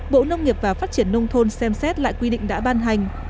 bộ nông nghiệp và phát triển nông thôn xem xét lại quy định đã ban hành